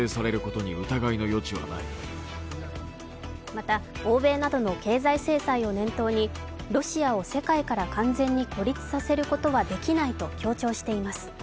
また欧米などの経済制裁を念頭にロシアを世界から完全に孤立させることはできないと強調しています。